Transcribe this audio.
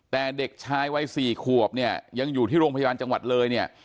แต่เด็กชายวัย๔ขวบเนี่ยยังอยู่ที่โรงพยาบาลจังหวัดเลยเนี่ย